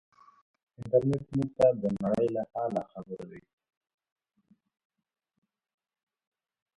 انټرنيټ موږ ته د نړۍ له حاله خبروي.